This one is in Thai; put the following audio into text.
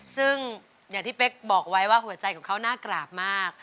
ซึ่งอย่างที่เป๊กบอกไว้ว่าหัวใจของเขาน่ากราบมาก